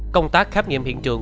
công tác khám nghiệm hiện trường